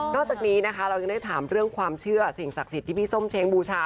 จากนี้นะคะเรายังได้ถามเรื่องความเชื่อสิ่งศักดิ์สิทธิ์ที่พี่ส้มเช้งบูชา